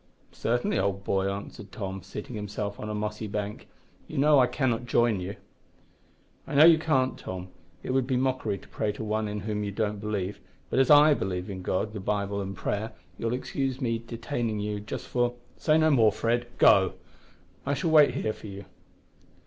"Certainly, old boy," answered Tom, seating himself on a mossy bank. "You know I cannot join you." "I know you can't, Tom. It would be mockery to pray to One in whom you don't believe; but as I believe in God, the Bible, and prayer, you'll excuse my detaining you, just for " "Say no more, Fred. Go; I shall wait here for you."